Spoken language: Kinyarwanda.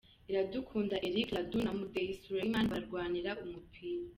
Iradukunda Eric Radou na Mudeyi Suleiman barwanira umupira.